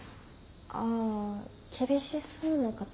ああ厳しそうな方ですね。